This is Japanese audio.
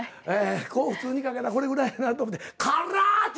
こう普通にかけたらこれぐらいやなと思って辛っ！